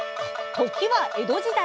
時は江戸時代。